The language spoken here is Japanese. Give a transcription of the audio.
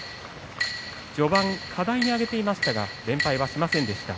序盤、課題に挙げていましたが連敗はしませんでした。